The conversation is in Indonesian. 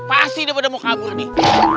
pasti dia pada mau kabur nih